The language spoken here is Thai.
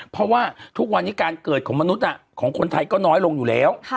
เพราะว่าทุกวันนี้การเกิดของมนุษย์ของคนไทยก็น้อยลงอยู่แล้ว